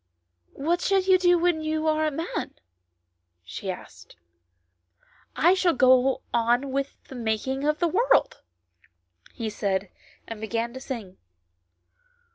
" What shall you do when you are a man ?" she asked. " I shall go on with the making of the world," he said, and began to sing.